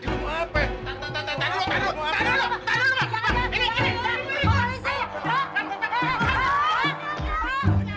ini milik gue